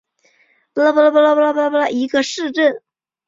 诺伊西茨是德国巴伐利亚州的一个市镇。